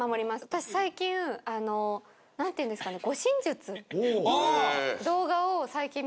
私最近何ていうんですかね。